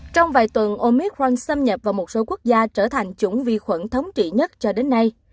trong vài tuần omitral xâm nhập vào một số quốc gia trở thành chủng vi khuẩn thống trị nhất cho đến nay